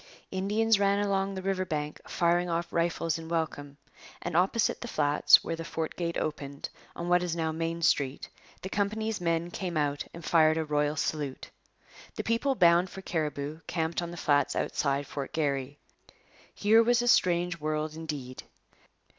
Indians ran along the river bank firing off rifles in welcome, and opposite the flats where the fort gate opened, on what is now Main Street, the company's men came out and fired a royal salute. The people bound for Cariboo camped on the flats outside Fort Garry. Here was a strange world indeed.